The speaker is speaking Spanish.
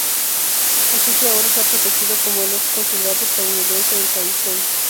El sitio ahora está protegido como el Ex Consulado Estadounidense en Taipei.